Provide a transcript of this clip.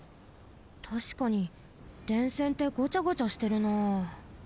たしかに電線ってごちゃごちゃしてるなあ。